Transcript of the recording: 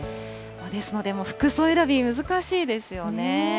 ですので服装選び、難しいですよね。